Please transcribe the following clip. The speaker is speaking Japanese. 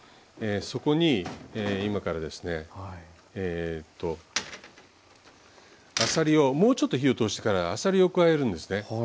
そこに今からですねえとあさりをもうちょっと火を通してからあさりを加えるんですね。